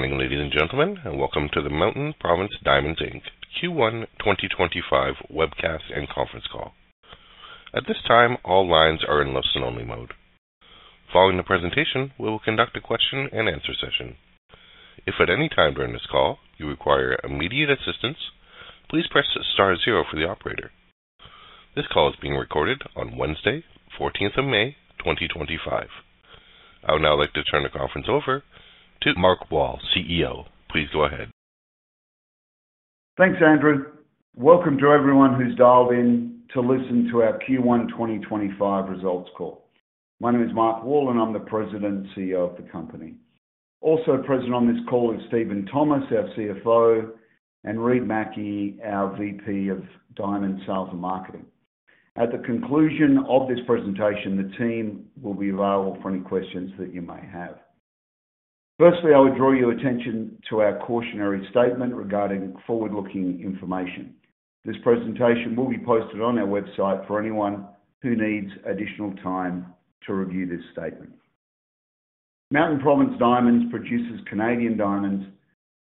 Morning, ladies and gentlemen, and welcome to the Mountain Province Diamonds Q1 2025 webcast and conference call. At this time, all lines are in listen-only mode. Following the presentation, we will conduct a question-and-answer session. If at any time during this call you require immediate assistance, please press star zero for the operator. This call is being recorded on Wednesday, 14th of May, 2025. I would now like to turn the conference over to Mark Wall, CEO. Please go ahead. Thanks, Andrew. Welcome to everyone who's dialed in to listen to our Q1 2025 results call. My name is Mark Wall, and I'm the President and CEO of the company. Also present on this call is Steven Thomas, our CFO, and Reid Mackie, our VP of Diamond Sales, Marketing. At the conclusion of this presentation, the team will be available for any questions that you may have. Firstly, I would draw your attention to our cautionary statement regarding forward-looking information. This presentation will be posted on our website for anyone who needs additional time to review this statement. Mountain Province Diamonds produces Canadian diamonds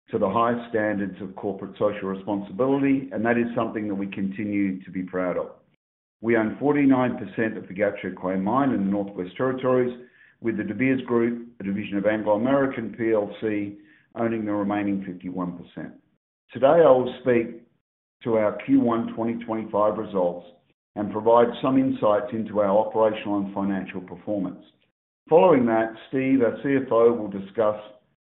to the highest standards of corporate social responsibility, and that is something that we continue to be proud of. We own 49% of the Gahcho Kué Mine in the Northwest Territories, with the De Beers Group, a division of Anglo American plc, owning the remaining 51%. Today, I will speak to our Q1 2025 results and provide some insights into our operational and financial performance. Following that, Steve, our CFO, will discuss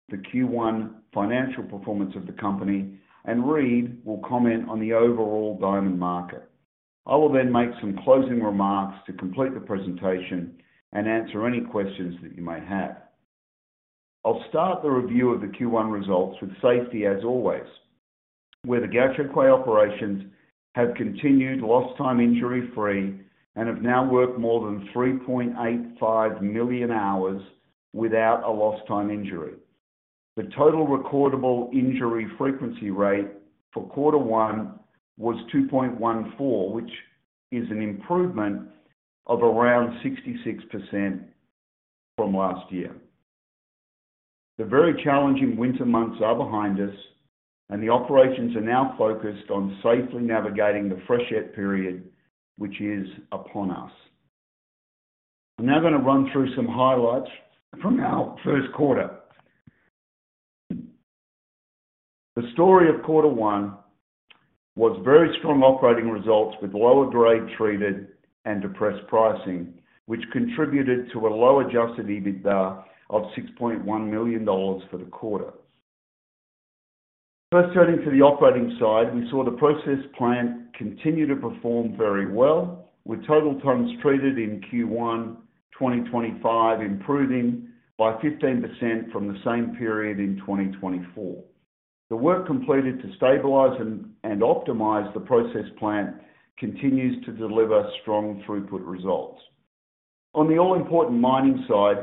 the Q1 financial performance of the company, and Reid will comment on the overall diamond market. I will then make some closing remarks to complete the presentation and answer any questions that you may have. I'll start the review of the Q1 results with safety, as always, where the Gahcho Kué operations have continued lost-time injury-free and have now worked more than 3.85 million hours without a lost-time injury. The total recordable injury frequency rate for quarter one was 2.14, which is an improvement of around 66% from last year. The very challenging winter months are behind us, and the operations are now focused on safely navigating the freshet period, which is upon us. I'm now going to run through some highlights from our first quarter. The story of quarter one was very strong operating results with lower-grade treated and depressed pricing, which contributed to a lower adjusted EBITDA of $6.1 million for the quarter. First, turning to the operating side, we saw the process plant continue to perform very well, with total tons treated in Q1 2025 improving by 15% from the same period in 2024. The work completed to stabilize and optimize the process plant continues to deliver strong throughput results. On the all-important mining side,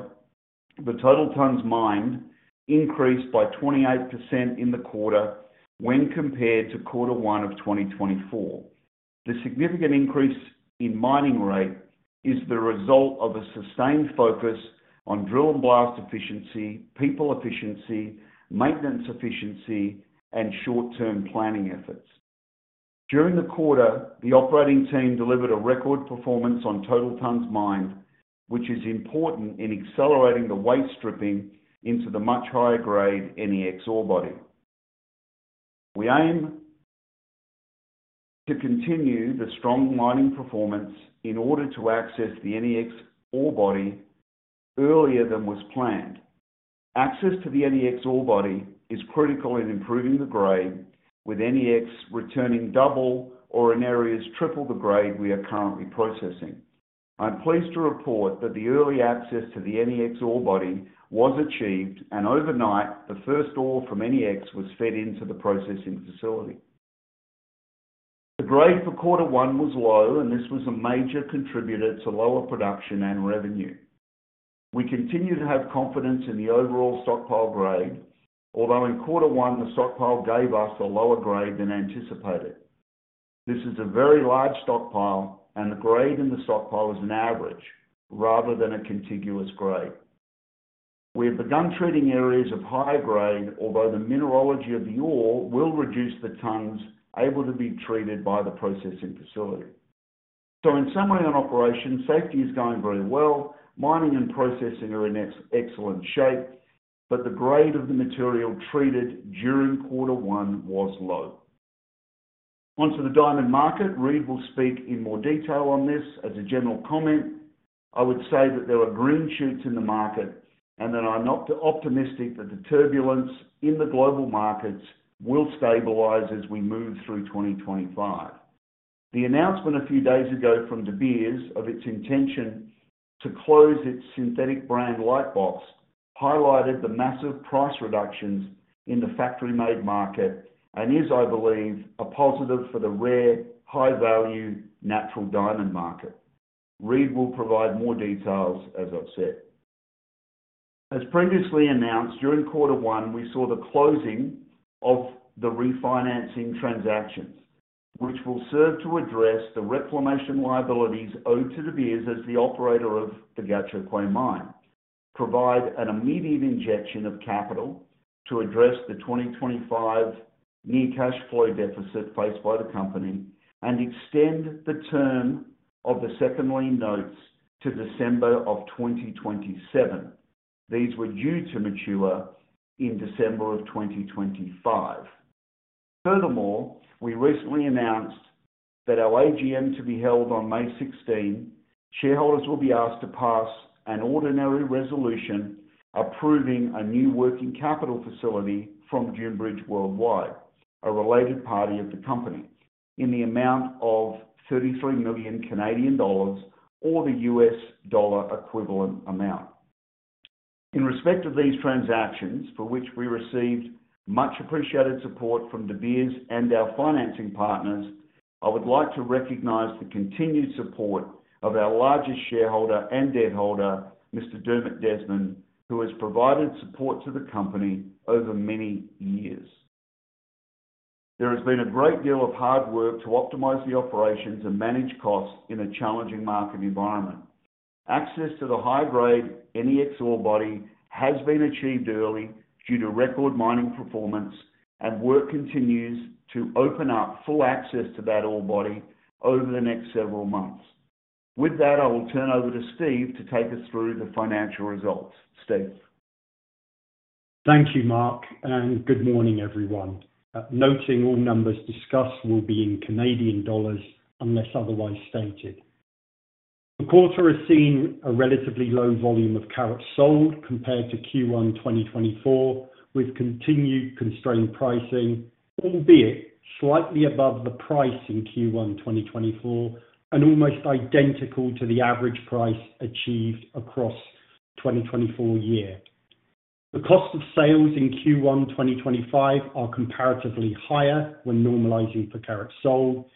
the total tons mined increased by 28% in the quarter when compared to quarter one of 2024. The significant increase in mining rate is the result of a sustained focus on drill and blast efficiency, people efficiency, maintenance efficiency, and short-term planning efforts. During the quarter, the operating team delivered a record performance on total tons mined, which is important in accelerating the waste stripping into the much higher grade NEX ore body. We aim to continue the strong mining performance in order to access the NEX ore body earlier than was planned. Access to the NEX ore body is critical in improving the grade, with NEX returning double or in areas triple the grade we are currently processing. I'm pleased to report that the early access to the NEX ore body was achieved, and overnight, the first ore from NEX was fed into the processing facility. The grade for quarter one was low, and this was a major contributor to lower production and revenue. We continue to have confidence in the overall stockpile grade, although in quarter one the stockpile gave us a lower grade than anticipated. This is a very large stockpile, and the grade in the stockpile is an average rather than a contiguous grade. We have begun treating areas of higher grade, although the mineralogy of the ore will reduce the tons able to be treated by the processing facility. In summary on operations, safety is going very well. Mining and processing are in excellent shape, but the grade of the material treated during quarter one was low. Onto the diamond market, Reid will speak in more detail on this. As a general comment, I would say that there are green shoots in the market and that I'm optimistic that the turbulence in the global markets will stabilize as we move through 2025. The announcement a few days ago from De Beers of its intention to close its synthetic brand Lightbox highlighted the massive price reductions in the factory-made market and is, I believe, a positive for the rare, high-value natural diamond market. Reid will provide more details as I've said. As previously announced, during quarter one, we saw the closing of the refinancing transactions, which will serve to address the reclamation liabilities owed to De Beers as the operator of the Gahcho Kué Mine, provide an immediate injection of capital to address the 2025 near cash flow deficit faced by the company, and extend the term of the second lien notes to December of 2027. These were due to mature in December of 2025. Furthermore, we recently announced that our AGM to be held on May 16. Shareholders will be asked to pass an ordinary resolution approving a new working capital facility from Junebridge Worldwide, a related party of the company, in the amount of 33 million Canadian dollars or the U.S, dollar equivalent amount. In respect of these transactions, for which we received much appreciated support from De Beers and our financing partners, I would like to recognize the continued support of our largest shareholder and debt holder, Mr. Dermot Desmond, who has provided support to the company over many years. There has been a great deal of hard work to optimize the operations and manage costs in a challenging market environment. Access to the high-grade NEX ore body has been achieved early due to record mining performance, and work continues to open up full access to that ore body over the next several months. With that, I will turn over to Steve to take us through the financial results. Steve? Thank you, Mark, and good morning, everyone. Noting all numbers discussed will be in Canadian dollars unless otherwise stated. The quarter has seen a relatively low volume of carats sold compared to Q1 2024, with continued constrained pricing, albeit slightly above the price in Q1 2024 and almost identical to the average price achieved across the 2024 year. The cost of sales in Q1 2025 are comparatively higher when normalizing for carats sold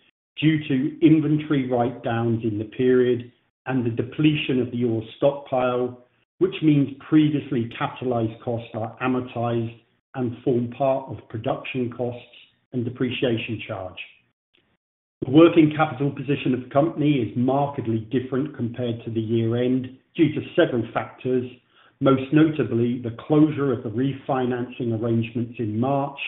due to inventory write-downs in the period and the depletion of the ore stockpile. Which means previously capitalized costs are amortized and form part of production costs and depreciation charge. The working capital position of the company is markedly different compared to the year-end due to several factors, most notably the closure of the refinancing arrangements in March,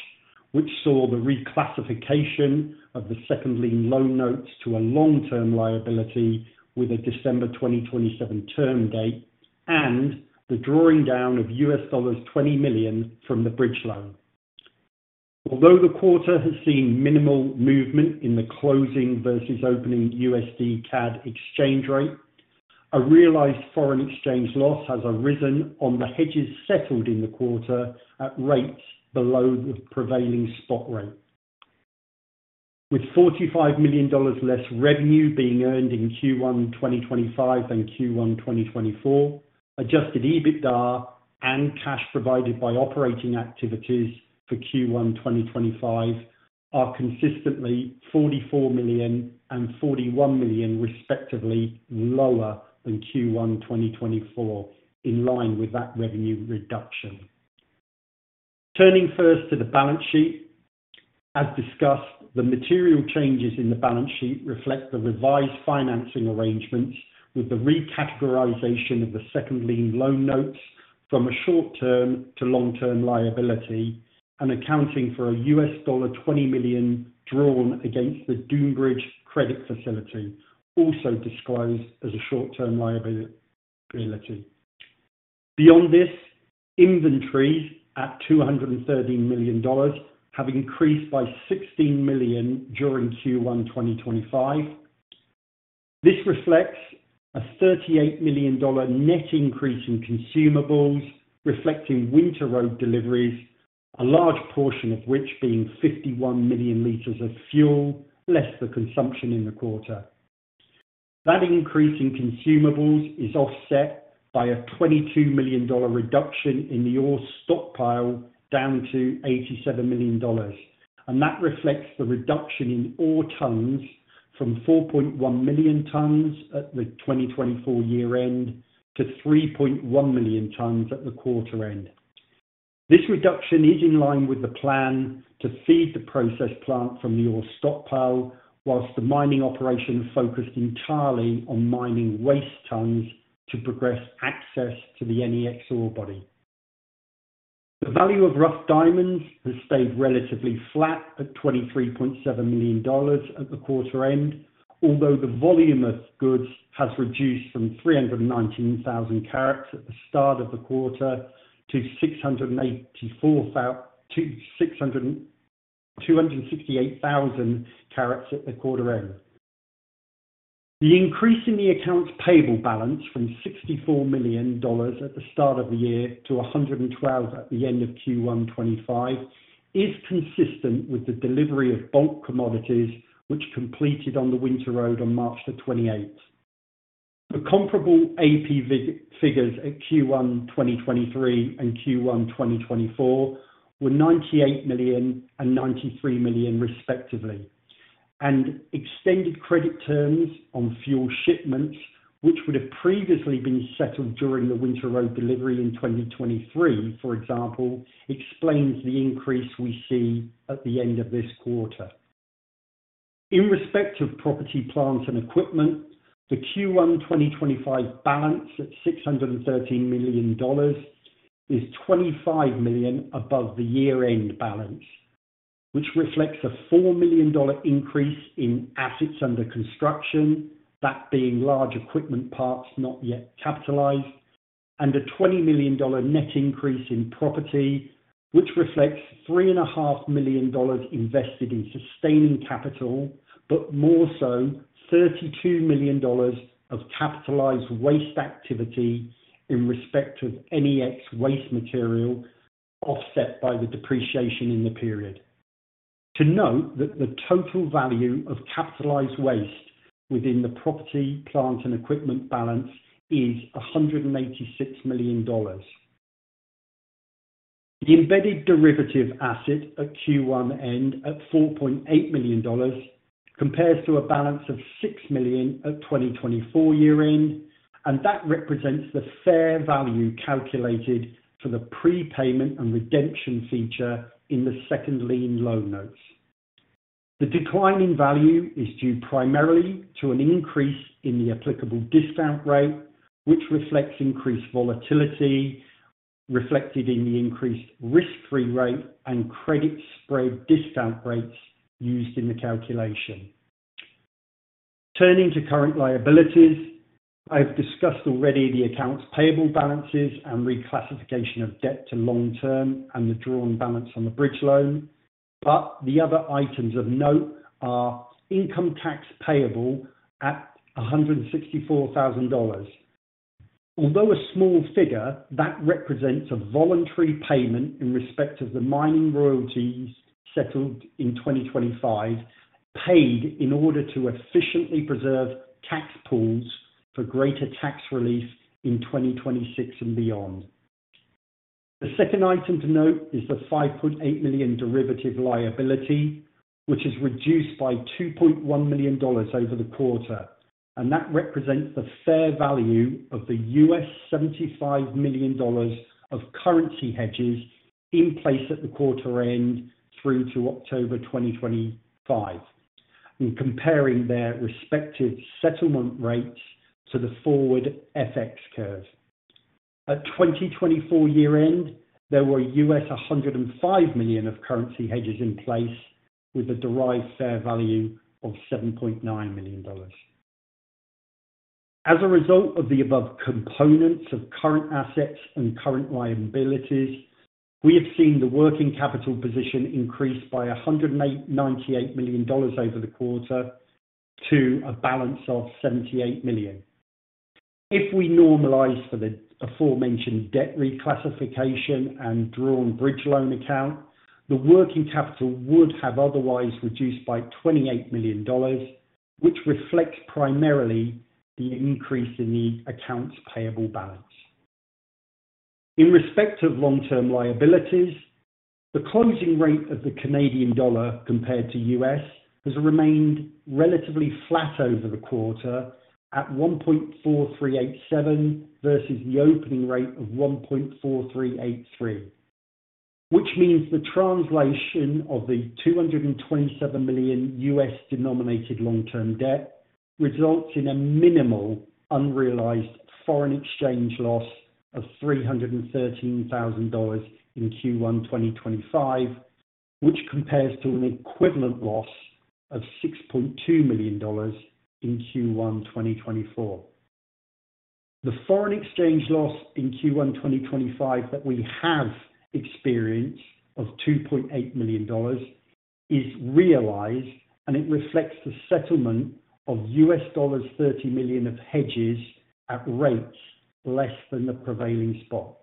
which saw the reclassification of the second lien loan notes to a long-term liability with a December 2027 term date and the drawing down of $20 million from the bridge loan. Although the quarter has seen minimal movement in the closing versus opening USD/CAD exchange rate, a realized foreign exchange loss has arisen on the hedges settled in the quarter at rates below the prevailing spot rate. With $45 million less revenue being earned in Q1 2025 than Q1 2024, Adjusted EBITDA and cash provided by operating activities for Q1 2025 are consistently $44 million and $41 million, respectively, lower than Q1 2024, in line with that revenue reduction. Turning first to the balance sheet, as discussed, the material changes in the balance sheet reflect the revised financing arrangements with the recategorization of the second lien loan notes from a short-term to long-term liability and accounting for a $20 million drawn against the Dunebridge Credit Facility, also disclosed as a short-term liability. Beyond this, inventories at 213 million dollars have increased by 16 million during Q1 2025. This reflects a 38 million dollar net increase in consumables, reflecting winter road deliveries, a large portion of which being 51 million liters of fuel, less the consumption in the quarter. That increase in consumables is offset by a 22 million dollar reduction in the ore stockpile down to 87 million dollars, and that reflects the reduction in ore tons from 4.1 million tons at the 2024 year-end to 3.1 million tons at the quarter end. This reduction is in line with the plan to feed the process plant from the ore stockpile whilst the mining operation focused entirely on mining waste tons to progress access to the NEX ore body. The value of rough diamonds has stayed relatively flat at $23.7 million at the quarter end, although the volume of goods has reduced from 319,000 carats at the start of the quarter to 268,000 carats at the quarter end. The increase in the accounts payable balance from $64 million at the start of the year to $112 million at the end of Q1 2025 is consistent with the delivery of bulk commodities, which completed on the winter road on March the 28th. The comparable AP figures at Q1 2023 and Q1 2024 were $98 million and $93 million, respectively, and extended credit terms on fuel shipments, which would have previously been settled during the winter road delivery in 2023, for example, explains the increase we see at the end of this quarter. In respect of property, plant, and equipment, the Q1 2025 balance at $613 million is $25 million above the year-end balance, which reflects a $4 million increase in assets under construction, that being large equipment parts not yet capitalized, and a $20 million net increase in property, which reflects $3.5 million invested in sustaining capital, but more so $32 million of capitalized waste activity in respect of NEX waste material offset by the depreciation in the period. To note that the total value of capitalized waste within the property, plant, and equipment balance is $186 million. The embedded derivative asset at Q1 end at $4.8 million compares to a balance of $6 million at 2024 year-end, and that represents the fair value calculated for the prepayment and redemption feature in the second lien loan notes. The declining value is due primarily to an increase in the applicable discount rate, which reflects increased volatility reflected in the increased risk-free rate and credit spread discount rates used in the calculation. Turning to current liabilities, I've discussed already the accounts payable balances and reclassification of debt to long-term and the drawn balance on the bridge loan, but the other items of note are income tax payable at $164,000. Although a small figure, that represents a voluntary payment in respect of the mining royalties settled in 2025, paid in order to efficiently preserve tax pools for greater tax relief in 2026 and beyond. The second item to note is the $5.8 million derivative liability, which is reduced by $2.1 million over the quarter, and that represents the fair value of the $75 million of currency hedges in place at the quarter end through to October 2025, and comparing their respective settlement rates to the forward FX curve. At 2024 year-end, there were $105 million of currency hedges in place with a derived fair value of $7.9 million. As a result of the above components of current assets and current liabilities, we have seen the working capital position increase by $198 million over the quarter to a balance of $78 million. If we normalize for the aforementioned debt reclassification and drawn bridge loan account, the working capital would have otherwise reduced by $28 million, which reflects primarily the increase in the accounts payable balance. In respect of long-term liabilities, the closing rate of the Canadian dollar compared to U.S. has remained relatively flat over the quarter at 1.4387 versus the opening rate of 1.4383, which means the translation of the $227 million U.S. denominated long-term debt results in a minimal unrealized foreign exchange loss of $313,000 in Q1 2025, which compares to an equivalent loss of $6.2 million in Q1 2024. The foreign exchange loss in Q1 2025 that we have experienced of $2.8 million is realized, and it reflects the settlement of U.S. dollars 30 million of hedges at rates less than the prevailing spot.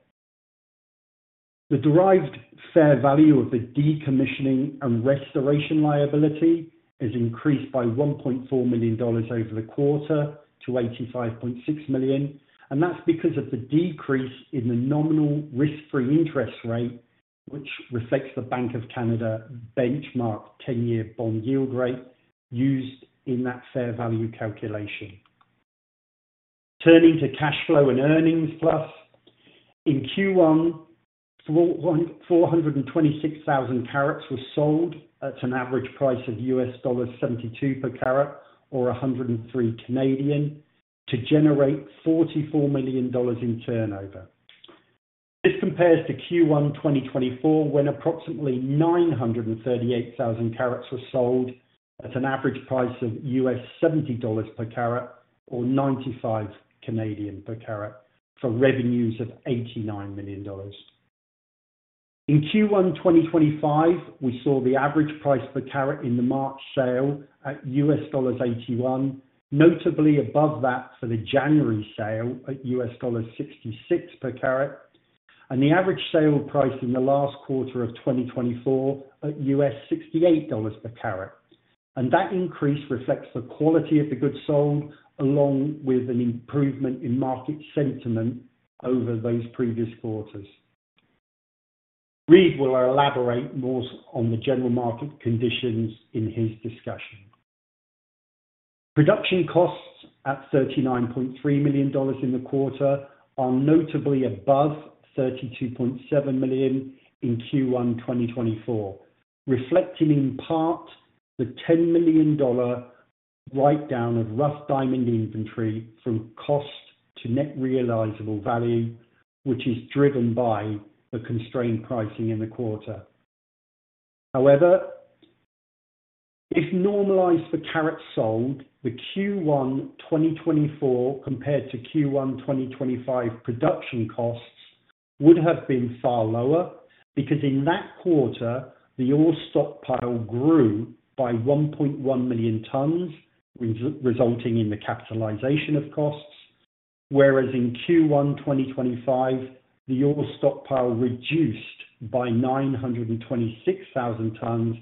The derived fair value of the decommissioning and restoration liability has increased by $1.4 million over the quarter to $85.6 million, and that's because of the decrease in the nominal risk-free interest rate, which reflects the Bank of Canada benchmark 10-year bond yield rate used in that fair value calculation. Turning to cash flow and earnings plus, in Q1, 426,000 carats were sold at an average price of $72 per carat or 103 to generate $44 million in turnover. This compares to Q1 2024 when approximately 938,000 carats were sold at an average price of $70 per carat or 95 per carat for revenues of $89 million. In Q1 2025, we saw the average price per carat in the March sale at $81, notably above that for the January sale at $66 per carat, and the average sale price in the last quarter of 2024 at $68 per carat. That increase reflects the quality of the goods sold along with an improvement in market sentiment over those previous quarters. Reid will elaborate more on the general market conditions in his discussion. Production costs at $39.3 million in the quarter are notably above $32.7 million in Q1 2024, reflecting in part the $10 million write-down of rough diamond inventory from cost to net realizable value, which is driven by the constrained pricing in the quarter. However, if normalized for carats sold, the Q1 2024 compared to Q1 2025 production costs would have been far lower because in that quarter the ore stockpile grew by 1.1 million tons, resulting in the capitalization of costs, whereas in Q1 2025 the ore stockpile reduced by 926,000 tons,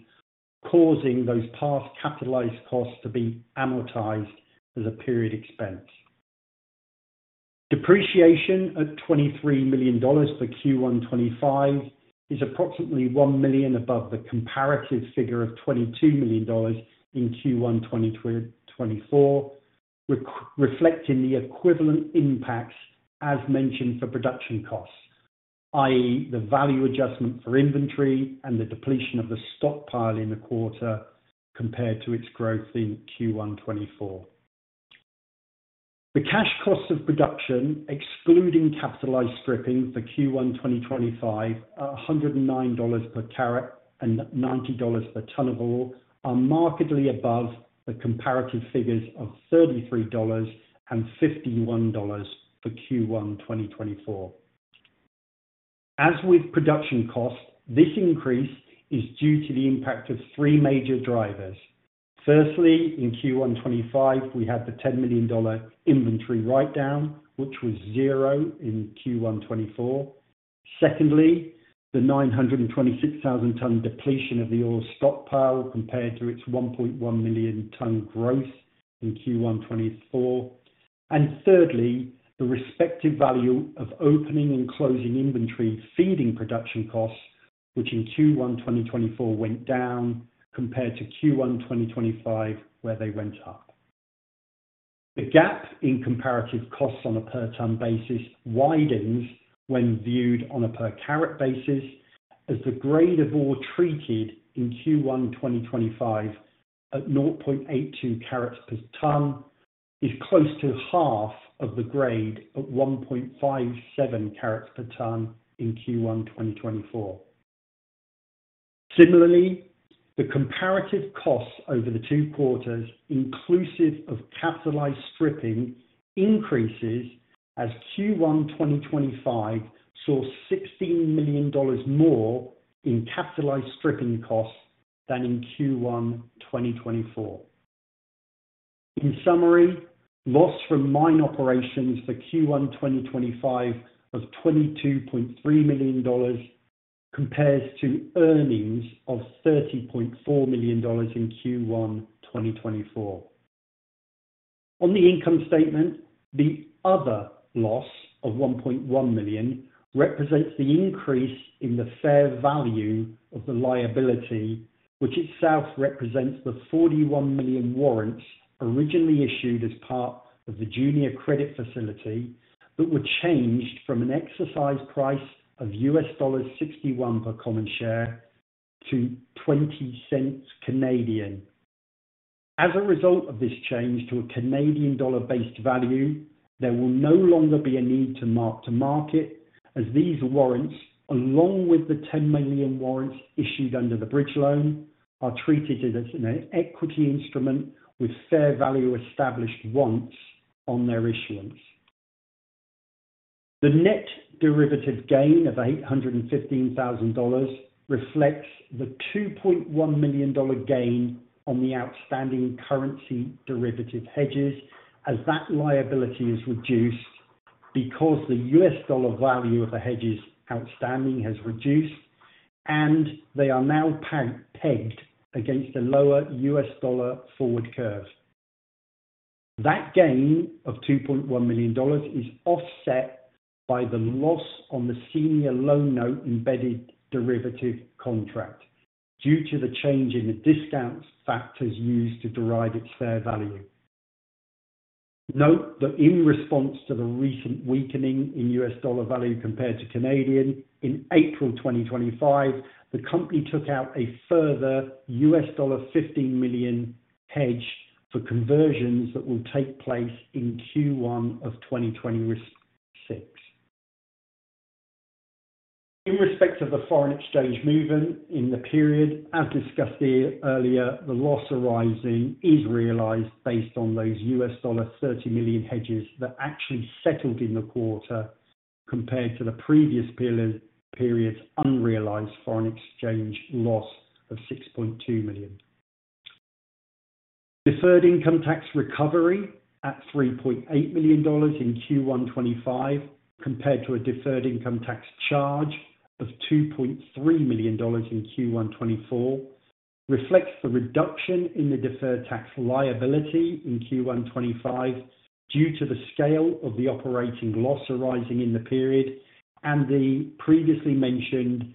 causing those past capitalized costs to be amortized as a period expense. Depreciation at $23 million for Q1 2025 is approximately $1 million above the comparative figure of $22 million in Q1 2024, reflecting the equivalent impacts as mentioned for production costs, i.e., the value adjustment for inventory and the depletion of the stockpile in the quarter compared to its growth in Q1 2024. The cash costs of production, excluding capitalized stripping for Q1 2025 at $109 per carat and $90 per ton of ore, are markedly above the comparative figures of $33 and $51 for Q1 2024. As with production costs, this increase is due to the impact of three major drivers. Firstly, in Q1 2025, we had the $10 million inventory write-down, which was zero in Q1 2024. Secondly, the 926,000 ton depletion of the ore stockpile compared to its 1.1 million ton growth in Q1 2024. Thirdly, the respective value of opening and closing inventory feeding production costs, which in Q1 2024 went down compared to Q1 2025 where they went up. The gap in comparative costs on a per ton basis widens when viewed on a per carat basis, as the grade of ore treated in Q1 2025 at 0.82 carats per ton is close to half of the grade at 1.57 carats per ton in Q1 2024. Similarly, the comparative costs over the two quarters, inclusive of capitalized stripping, increases as Q1 2025 saw 16 million dollars more in capitalized stripping costs than in Q1 2024. In summary, loss from mine operations for Q1 2025 of 22.3 million dollars compares to earnings of 30.4 million dollars in Q1 2024. On the income statement, the other loss of 1.1 million represents the increase in the fair value of the liability, which itself represents the 41 million warrants originally issued as part of the junior credit facility that were changed from an exercise price of $61 per common share to 0.20. As a result of this change to a Canadian dollar-based value, there will no longer be a need to mark to market, as these warrants, along with the 10 million warrants issued under the bridge loan, are treated as an equity instrument with fair value established once on their issuance. The net derivative gain of $815,000 reflects the $2.1 million gain on the outstanding currency derivative hedges, as that liability is reduced because the U.S. dollar value of the hedges outstanding has reduced, and they are now pegged against a lower U.S. dollar forward curve. That gain of $2.1 million is offset by the loss on the senior loan note embedded derivative contract due to the change in the discount factors used to derive its fair value. Note that in response to the recent weakening in U.S. dollar value compared to Canadian, in April 2025, the company took out a further $15 million hedge for conversions that will take place in Q1 of 2026. In respect of the foreign exchange movement in the period, as discussed earlier, the loss arising is realized based on those $30 million hedges that actually settled in the quarter compared to the previous period's unrealized foreign exchange loss of $6.2 million. Deferred income tax recovery at $3.8 million in Q1 2025 compared to a deferred income tax charge of $2.3 million in Q1 2024 reflects the reduction in the deferred tax liability in Q1 2025 due to the scale of the operating loss arising in the period and the previously mentioned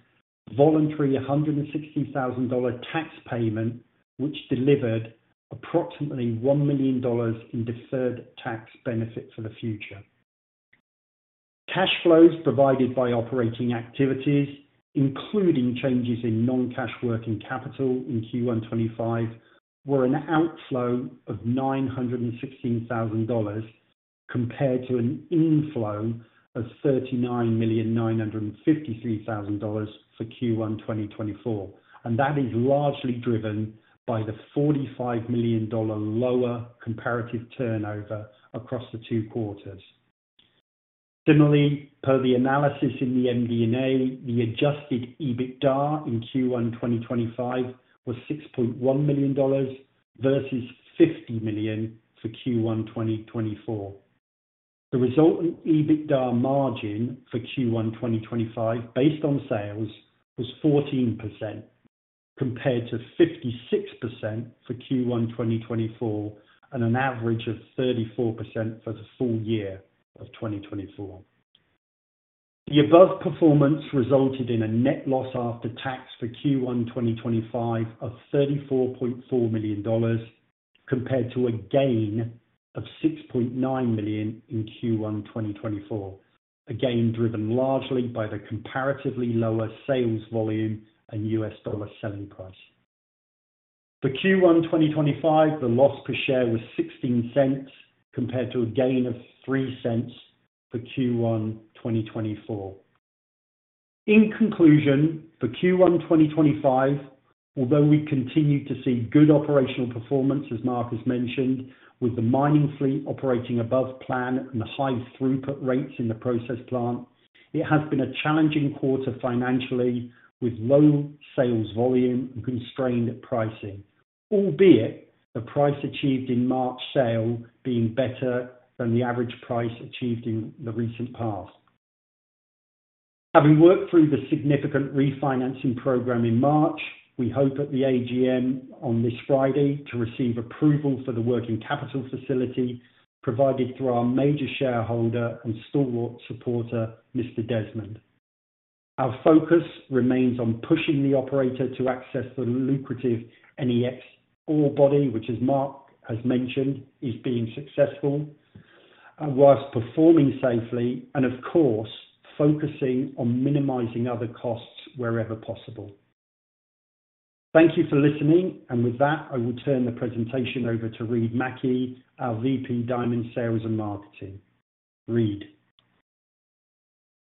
voluntary $160,000 tax payment, which delivered approximately $1 million in deferred tax benefit for the future. Cash flows provided by operating activities, including changes in non-cash working capital in Q1 2025, were an outflow of $916,000 compared to an inflow of $39,953,000 for Q1 2024, and that is largely driven by the $45 million lower comparative turnover across the two quarters. Similarly, per the analysis in the MD&A, the Adjusted EBITDA in Q1 2025 was $6.1 million versus $50 million for Q1 2024. The resultant EBITDA margin for Q1 2025, based on sales, was 14% compared to 56% for Q1 2024 and an average of 34% for the full year of 2024. The above performance resulted in a net loss after tax for Q1 2025 of $34.4 million compared to a gain of $6.9 million in Q1 2024, again driven largely by the comparatively lower sales volume and U.S. dollar selling price. For Q1 2025, the loss per share was $0.16 compared to a gain of $0.03 for Q1 2024. In conclusion, for Q1 2025, although we continue to see good operational performance, as Mark has mentioned, with the mining fleet operating above plan and high throughput rates in the process plant, it has been a challenging quarter financially, with low sales volume and constrained pricing, albeit the price achieved in March sale being better than the average price achieved in the recent past. Having worked through the significant refinancing program in March, we hope at the AGM on this Friday to receive approval for the working capital facility provided through our major shareholder and stalwart supporter, Mr. Desmond. Our focus remains on pushing the operator to access the lucrative NEX ore body, which, as Mark has mentioned, is being successful whilst performing safely and, of course, focusing on minimizing other costs wherever possible. Thank you for listening, and with that, I will turn the presentation over to Reid Mackie, our VP of Diamond Sales and Marketing. Reid.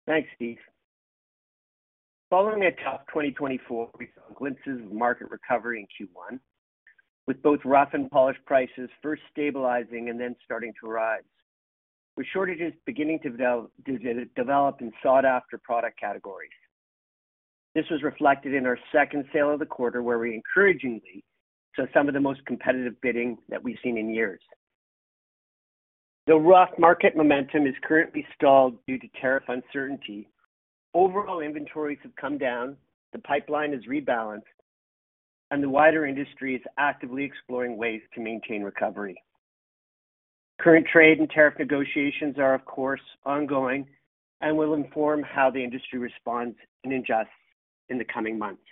Thanks, Steve. Following a tough 2024, we saw glimpses of market recovery in Q1, with both rough and polished prices first stabilizing and then starting to rise, with shortages beginning to develop in sought-after product categories. This was reflected in our second sale of the quarter, where we encouragingly saw some of the most competitive bidding that we've seen in years. Though rough market momentum is currently stalled due to tariff uncertainty, overall inventories have come down, the pipeline is rebalanced, and the wider industry is actively exploring ways to maintain recovery. Current trade and tariff negotiations are, of course, ongoing and will inform how the industry responds in adjustments in the coming months.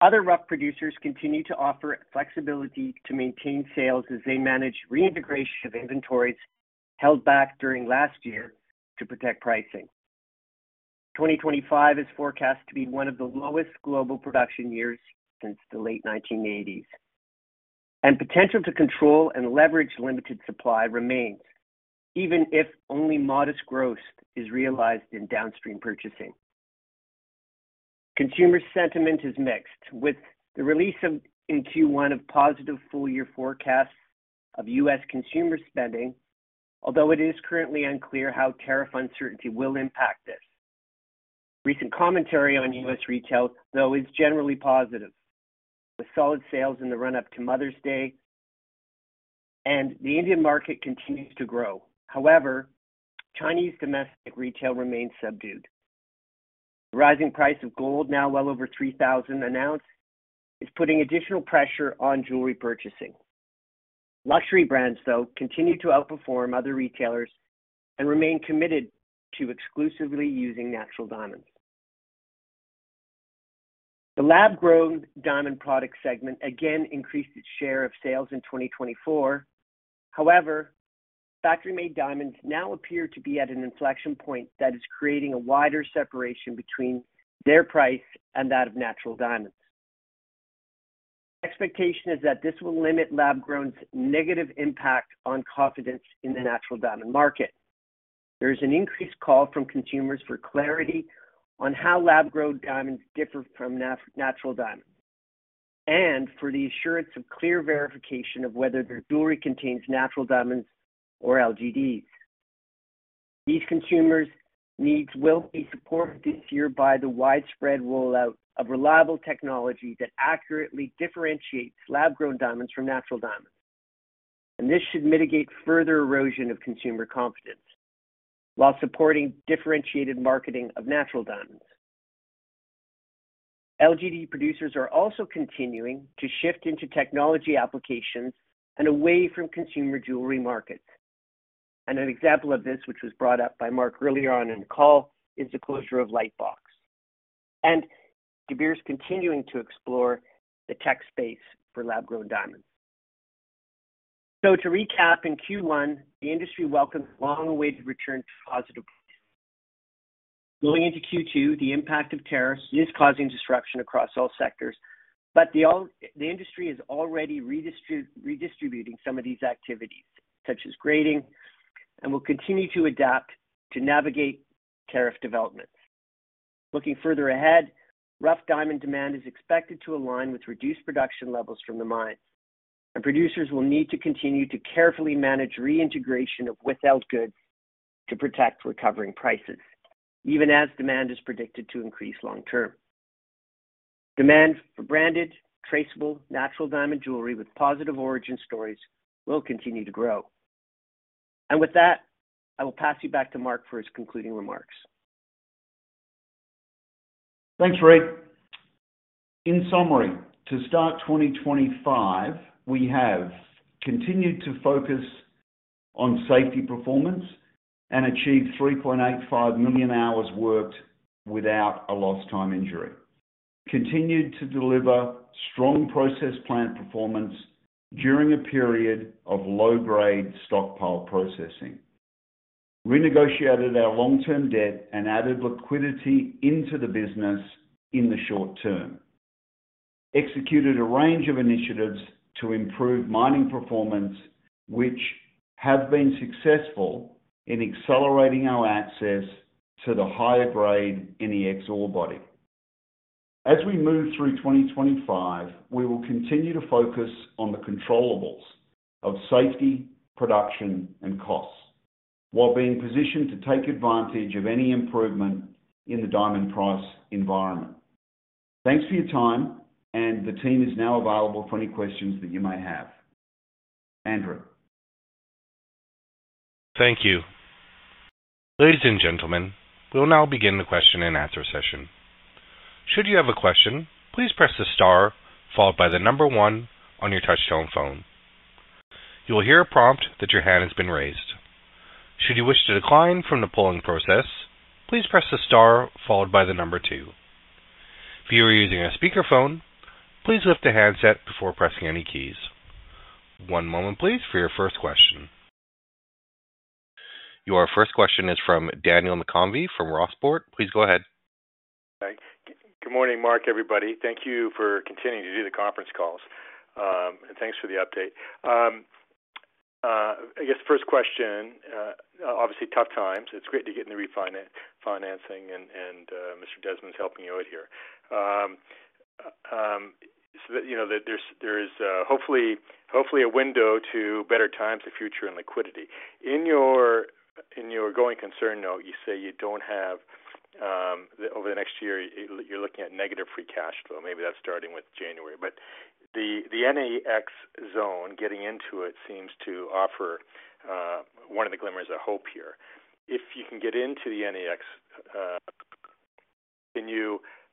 Other rough producers continue to offer flexibility to maintain sales as they manage reintegration of inventories held back during last year to protect pricing. 2025 is forecast to be one of the lowest global production years since the late 1980s, and potential to control and leverage limited supply remains, even if only modest growth is realized in downstream purchasing. Consumer sentiment is mixed, with the release in Q1 of positive full-year forecasts of U.S. consumer spending, although it is currently unclear how tariff uncertainty will impact this. Recent commentary on U.S. retail, though, is generally positive, with solid sales in the run-up to Mother's Day, and the Indian market continues to grow. However, Chinese domestic retail remains subdued. The rising price of gold, now well over $3,000 an ounce, is putting additional pressure on jewelry purchasing. Luxury brands, though, continue to outperform other retailers and remain committed to exclusively using natural diamonds. The lab-grown diamond product segment again increased its share of sales in 2024. However, factory-made diamonds now appear to be at an inflection point that is creating a wider separation between their price and that of natural diamonds. The expectation is that this will limit lab-grown's negative impact on confidence in the natural diamond market. There is an increased call from consumers for clarity on how lab-grown diamonds differ from natural diamonds and for the assurance of clear verification of whether the jewelry contains natural diamonds or LGDs. These consumers' needs will be supported this year by the widespread rollout of reliable technology that accurately differentiates lab-grown diamonds from natural diamonds, and this should mitigate further erosion of consumer confidence while supporting differentiated marketing of natural diamonds. LGD producers are also continuing to shift into technology applications and away from consumer jewelry markets. An example of this, which was brought up by Mark earlier on in the call, is the closure of Lightbox, and De Beers continuing to explore the tech space for lab-grown diamonds. To recap, in Q1, the industry welcomed a long-awaited return to positive prices. Going into Q2, the impact of tariffs is causing disruption across all sectors, but the industry is already redistributing some of these activities, such as grading, and will continue to adapt to navigate tariff developments. Looking further ahead, rough diamond demand is expected to align with reduced production levels from the mines, and producers will need to continue to carefully manage reintegration of wholesale goods to protect recovering prices, even as demand is predicted to increase long-term. Demand for branded, traceable, natural diamond jewelry with positive origin stories will continue to grow. With that, I will pass you back to Mark for his concluding remarks. Thanks, Reid. In summary, to start 2025, we have continued to focus on safety performance and achieved 3.85 million hours worked without a lost-time injury, continued to deliver strong process plant performance during a period of low-grade stockpile processing, renegotiated our long-term debt, and added liquidity into the business in the short term, executed a range of initiatives to improve mining performance, which have been successful in accelerating our access to the higher-grade NEX ore body. As we move through 2025, we will continue to focus on the controllable of safety, production, and costs while being positioned to take advantage of any improvement in the diamond price environment. Thanks for your time, and the team is now available for any questions that you may have. Andrew. Thank you. Ladies and gentlemen, we'll now begin the question-and-answer session. Should you have a question, please press the star followed by the number one on your touch-tone phone. You will hear a prompt that your hand has been raised. Should you wish to decline from the polling process, please press the star followed by the number two. If you are using a speakerphone, please lift the handset before pressing any keys. One moment, please, for your first question. Your first question is from Daniel McConvey from Rossport. Please go ahead. Okay. Good morning, Mark, everybody. Thank you for continuing to do the conference calls, and thanks for the update. I guess the first question, obviously, tough times. It's great to get into refinancing, and Mr. Desmond's helping you out here. So that there is hopefully a window to better times of future and liquidity. In your going concern note, you say you don't have over the next year, you're looking at negative free cash flow. Maybe that's starting with January. But the NEX zone getting into it seems to offer one of the glimmers of hope here. If you can get into the NEX,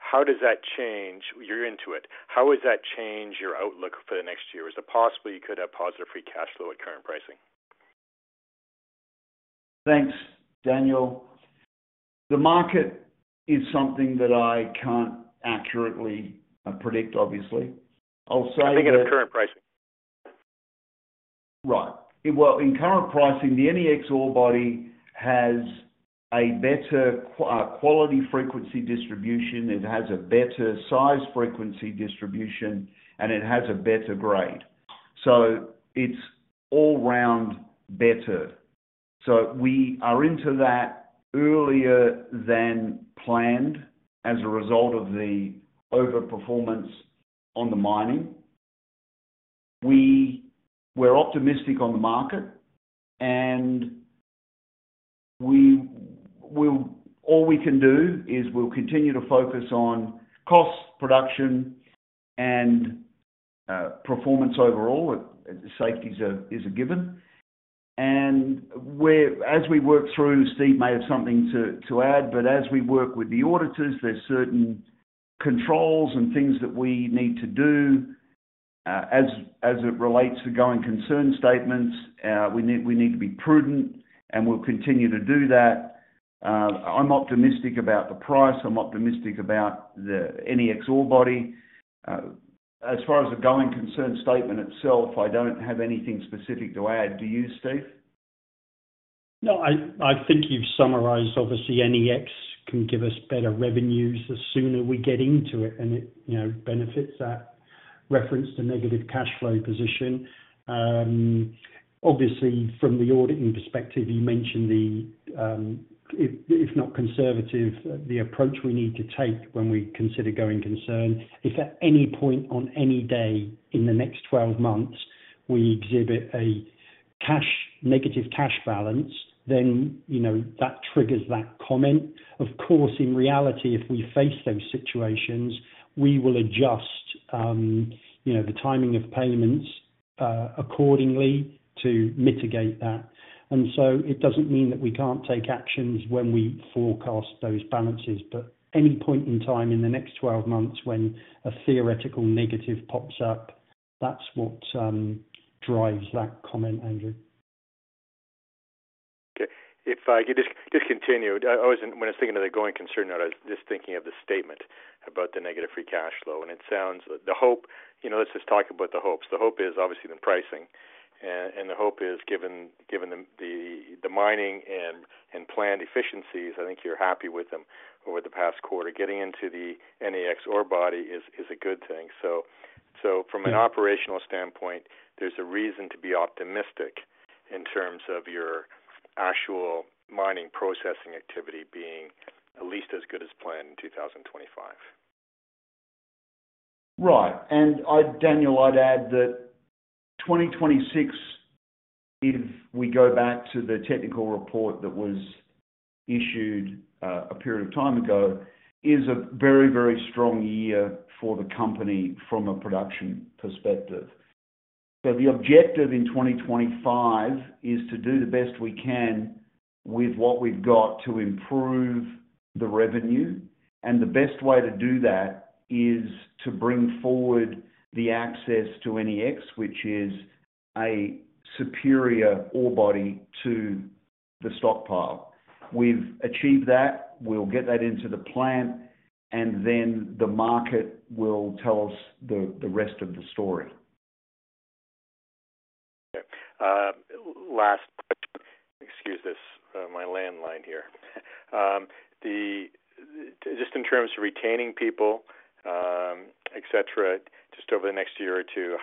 how does that change you're into it. How does that change your outlook for the next year? Is it possible you could have positive free cash flow at current pricing? Thanks, Daniel. The market is something that I can't accurately predict, obviously. I'll say. I think it's current pricing? Right? In current pricing, the NEX ore body has a better quality frequency distribution. It has a better size frequency distribution, and it has a better grade. It is all-round better. We are into that earlier than planned as a result of the overperformance on the mining. We are optimistic on the market, and all we can do is continue to focus on cost, production, and performance overall. Safety is a given. As we work through, Steve may have something to add, but as we work with the auditors, there are certain controls and things that we need to do as it relates to going concern statements. We need to be prudent, and we will continue to do that. I am optimistic about the price. I am optimistic about the NEX ore body. As far as the going concern statement itself, I do not have anything specific to add. Do you, Steve? No. I think you've summarized, obviously, NEX can give us better revenues the sooner we get into it, and it benefits that reference to negative cash flow position. Obviously, from the auditing perspective, you mentioned the, if not conservative, the approach we need to take when we consider going concern. If at any point on any day in the next 12 months, we exhibit a negative cash balance, then that triggers that comment. Of course, in reality, if we face those situations, we will adjust the timing of payments accordingly to mitigate that. It does not mean that we can't take actions when we forecast those balances, but any point in time in the next 12 months when a theoretical negative pops up, that's what drives that comment, Andrew. Okay. If I could just continue, when I was thinking of the going concern note, I was just thinking of the statement about the negative free cash flow, and it sounds the hope—let's just talk about the hopes. The hope is, obviously, the pricing, and the hope is, given the mining and planned efficiencies, I think you're happy with them over the past quarter. Getting into the NEX ore body is a good thing. From an operational standpoint, there's a reason to be optimistic in terms of your actual mining processing activity being at least as good as planned in 2025. Right. Daniel, I'd add that 2026, if we go back to the technical report that was issued a period of time ago, is a very, very strong year for the company from a production perspective. The objective in 2025 is to do the best we can with what we've got to improve the revenue, and the best way to do that is to bring forward the access to NEX, which is a superior ore body to the stockpile. We've achieved that. We'll get that into the plant, and then the market will tell us the rest of the story. Okay. Last question. Excuse my landline here. Just in terms of retaining people, etc., just over the next year or two,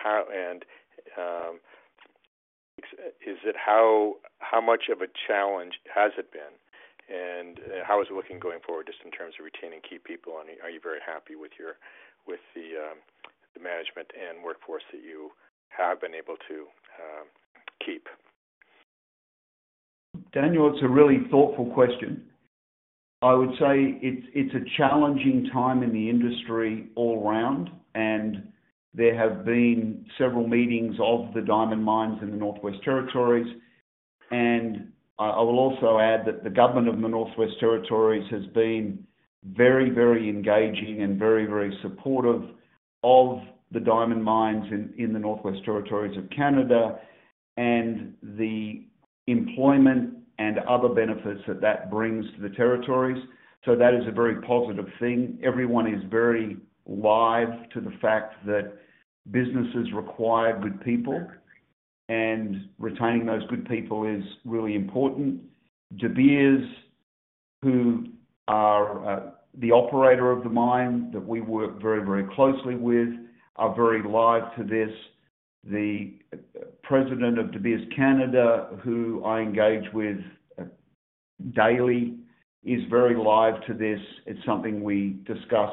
is it how much of a challenge has it been, and how is it looking going forward just in terms of retaining key people, and are you very happy with the management and workforce that you have been able to keep? Daniel, it's a really thoughtful question.I would say it's a challenging time in the industry all around, and there have been several meetings of the diamond mines in the Northwest Territories. I will also add that the government of the Northwest Territories has been very, very engaging and very, very supportive of the diamond mines in the Northwest Territories of Canada and the employment and other benefits that that brings to the territories. That is a very positive thing. Everyone is very live to the fact that business is required good people, and retaining those good people is really important. De Beers, who are the operator of the mine that we work very, very closely with, are very live to this. The President of De Beers Canada, who I engage with daily, is very live to this. It's something we discuss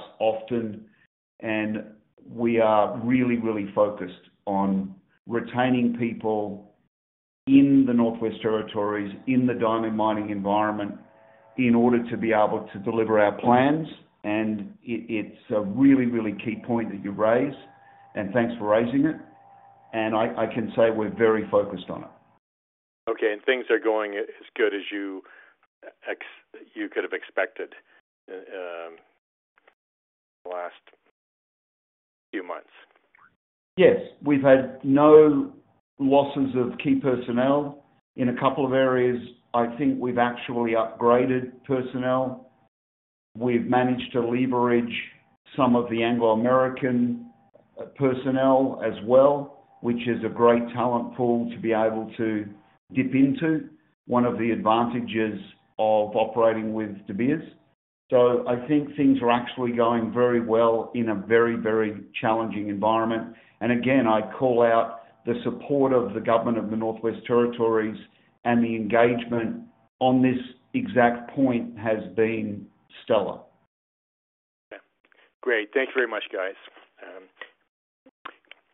often, and we are really, really focused on retaining people in the Northwest Territories in the diamond mining environment in order to be able to deliver our plans, and it's a really, really key point that you raise, and thanks for raising it. I can say we're very focused on it. Okay. Things are going as good as you could have expected in the last few months? Yes. We've had no losses of key personnel. In a couple of areas, I think we've actually upgraded personnel. We've managed to leverage some of the Anglo-American personnel as well, which is a great talent pool to be able to dip into. One of the advantages of operating with De Beers. I think things are actually going very well in a very, very challenging environment. Again, I call out the support of the government of the Northwest Territories and the engagement on this exact point has been stellar. Okay. Great. Thank you very much, guys.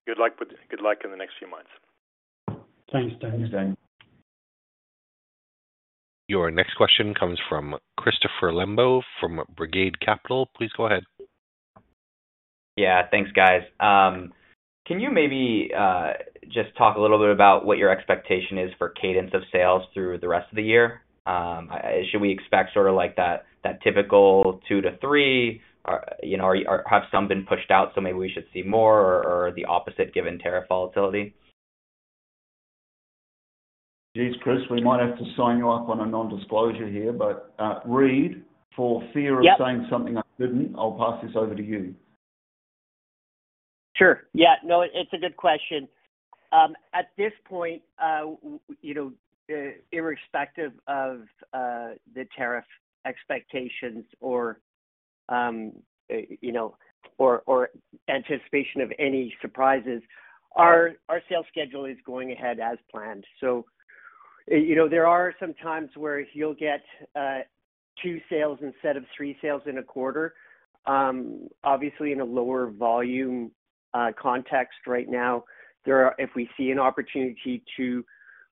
Good luck in the next few months. Thanks, Daniel. Your next question comes from Christopher Lembo from Brigade Capital. Please go ahead. Yeah. Thanks, guys. Can you maybe just talk a little bit about what your expectation is for cadence of sales through the rest of the year? Should we expect sort of that typical two to three, or have some been pushed out, so maybe we should see more, or the opposite given tariff volatility? Geez, Chris, we might have to sign you up on a non-disclosure here, but Reid, for fear of saying something I did not, I will pass this over to you. Sure. Yeah. No, it is a good question. At this point, irrespective of the tariff expectations or anticipation of any surprises, our sales schedule is going ahead as planned. There are some times where you'll get two sales instead of three sales in a quarter. Obviously, in a lower volume context right now, if we see an opportunity to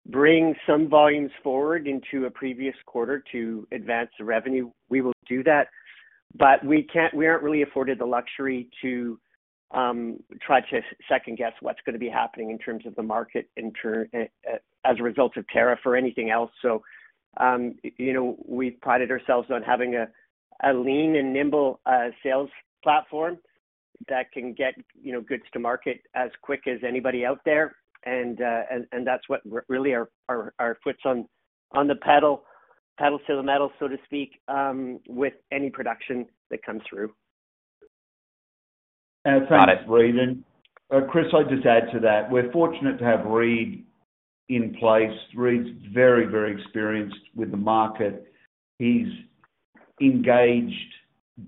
bring some volumes forward into a previous quarter to advance the revenue, we will do that. We aren't really afforded the luxury to try to second-guess what's going to be happening in terms of the market as a result of tariff or anything else. We've prided ourselves on having a lean and nimble sales platform that can get goods to market as quick as anybody out there, and that's what really our foot's on the pedal to the metal, so to speak, with any production that comes through. Thanks Reid. And Chris, I'd just add to that. We're fortunate to have Reid in place. Reid's very, very experienced with the market. He's engaged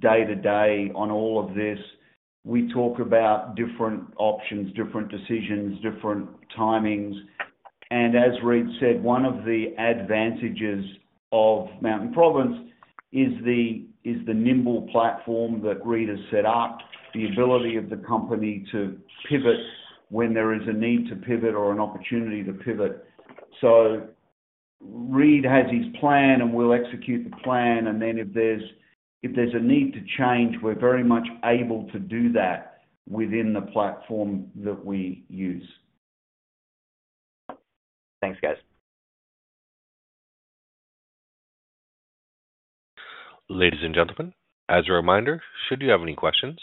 day to day on all of this. We talk about different options, different decisions, different timings. As Reid said, one of the advantages of Mountain Province is the nimble platform that Reid has set up, the ability of the company to pivot when there is a need to pivot or an opportunity to pivot. Reid has his plan, and we'll execute the plan. If there's a need to change, we're very much able to do that within the platform that we use. Thanks, guys. Ladies and gentlemen, as a reminder, should you have any questions,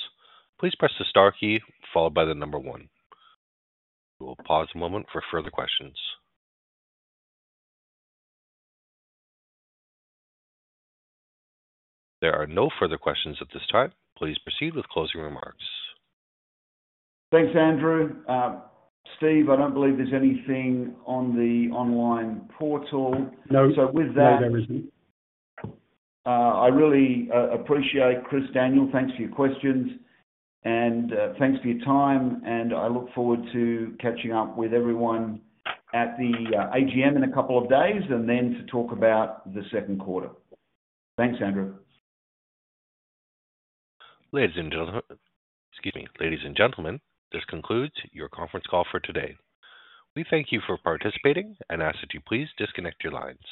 please press the star key followed by the number one. We will pause a moment for further questions. If there are no further questions at this time, please proceed with closing remarks. Thanks, Andrew. Steve, I don't believe there's anything on the online portal. No, that was everything. I really appreciate Chris, Daniel. Thanks for your questions, and thanks for your time. I look forward to catching up with everyone at the AGM in a couple of days and then to talk about the second quarter. Thanks, Andrew. Ladies and gentlemen, excuse me. Ladies and gentlemen, this concludes your conference call for today. We thank you for participating and ask that you please disconnect your lines.